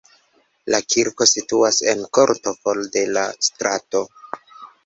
La kirko situas en korto for de la strato.